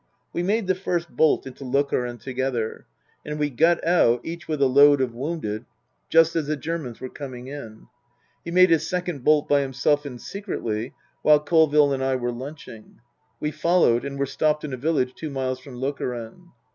We made the first bolt into Lokeren together ; and we got out, each with a load of wounded, just as the Germans were coming in. He made his second bolt by himself and secretly, while Colville and I were lunching. We followed, and were stopped in a village two miles from Lokeren.